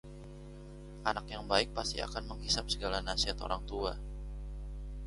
anak yang baik pasti akan menghisab segala nasihat orang tua